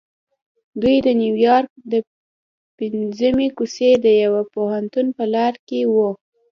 دوی د نیویارک د پنځمې کوڅې د یوه پوهنتون په تالار کې وو